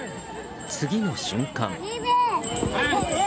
次の瞬間。